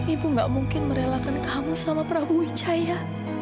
ibu gak mungkin merelakan kamu sama prabu wicaya